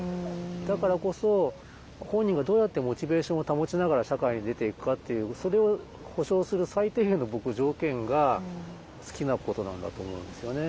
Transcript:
だからこそ本人がどうやってモチベーションを保ちながら社会に出ていくかっていうそれを保障する最低限の僕条件が好きなことなんだと思うんですよね。